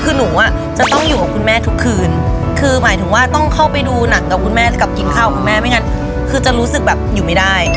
คือหนูอ่ะจะต้องอยู่กับคุณแม่ทุกคืนคือหมายถึงว่าต้องเข้าไปดูหนังกับคุณแม่กับกินข้าวของแม่ไม่งั้นคือจะรู้สึกแบบอยู่ไม่ได้